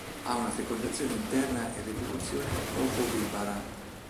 Ha una fecondazione interna e riproduzione ovovivipara.